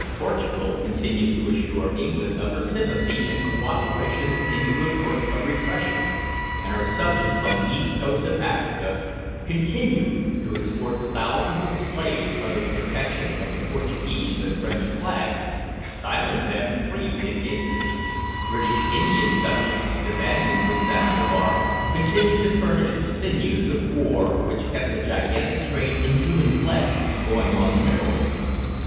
Portugal continued to assure England of her sympathy and co operation in the good work of repression, and her subjects on the east coast of Africa continued to export thousands of slaves under the protection of the Portuguese and French flags, styling them free engages. British Indian subjects the Banyans of Zanzibar, continued to furnish the sinews of war which kept the gigantic trade in human flesh going on merrily.